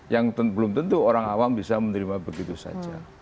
yang belum tentu orang awam bisa menerima begitu saja